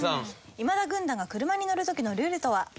今田軍団が車に乗る時のルールとは？